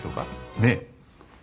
ねえ？